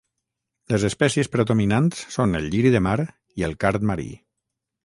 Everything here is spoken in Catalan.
Les espècies predominants són el lliri de mar i el card marí.